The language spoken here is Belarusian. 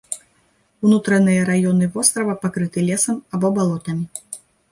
Унутраныя раёны вострава пакрыты лесам або балотамі.